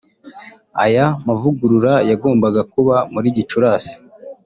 Aya mavugurura yagombaga kuba muri Gicurasi